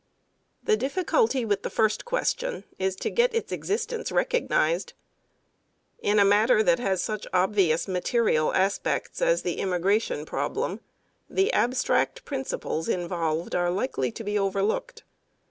The difficulty with the first question is to get its existence recognized. In a matter that has such obvious material aspects as the immigration problem the abstract principles involved are likely to be overlooked.